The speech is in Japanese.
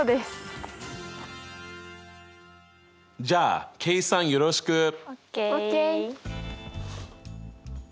じゃあ計算よろしく！ＯＫ。